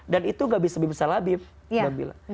dan itu gak bisa bisa lebih besar abib